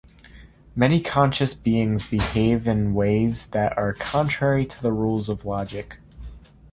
Many conscious beings behave in ways that are contrary to the rules of logic.